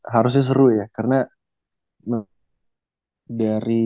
harusnya seru ya karena